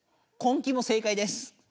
「根気」も正解です。